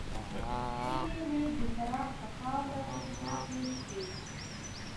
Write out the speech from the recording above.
هیلې مې د فراق په خاوره کې ښخې شوې.